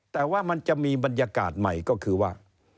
แต่ว่ามันจะมีบรรยากาศใหม่ก็คือว่า